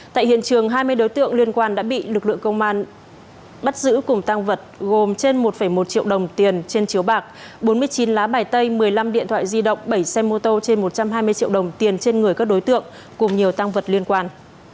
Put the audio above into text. tại hiện trường hai mươi đối tượng liên quan đã bị lực lượng công an bắt giữ cùng tăng vật gồm trên một một triệu đồng tiền trên chiếu bạc bốn mươi chín lá bài tay một mươi năm điện thoại di động bảy xe mô tô trên một trăm hai mươi triệu đồng tiền trên người các đối tượng cùng nhiều tăng vật liên quan